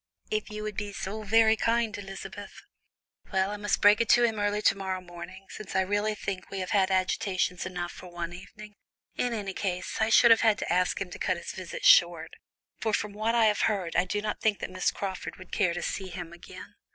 "If you would be so very kind, Elizabeth." "Well, I must break it to him early to morrow morning, since I really think we have had agitations enough for one evening. In any case, I should have had to ask him to cut his visit short, for from what I have heard, I do not think that Miss Crawford would care to see him again."